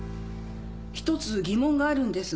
一つ疑問があるんですが。